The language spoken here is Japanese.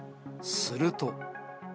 すると。